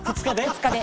２日で。